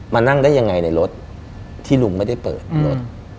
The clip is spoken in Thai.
นั่งได้ยังไงในรถที่ลุงไม่ได้เปิดรถ